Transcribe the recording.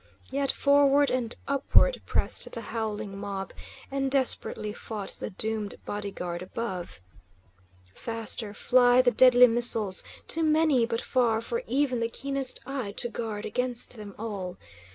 Yet forward and upward pressed the howling mob, and desperately fought the doomed body guard above. Faster fly the deadly missiles, too many by far for even the keenest eye to guard against them all.